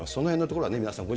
そのへんのところは皆さん